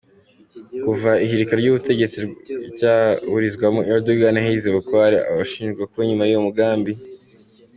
Kuva ihirika ry’ubutegetsi ryaburizwamo, Erdogan yahize bukware abashinjwaga kuba inyuma y’uyu mugambi.